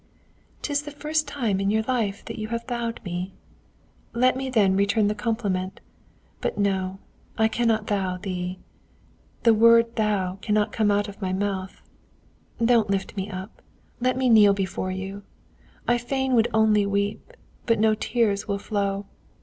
"'Tis the first time in your life that you have 'thou'd' me. Let me then return the compliment. But no, I cannot thou thee. The word thou cannot come out of my mouth. Don't lift me up. Let me kneel before you. I fain would only weep, but no tears will flow.